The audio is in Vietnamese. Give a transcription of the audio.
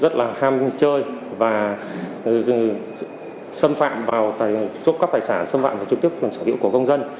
rất là ham chơi và xâm phạm vào các tài sản xâm phạm vào trung tức và sở hữu của công dân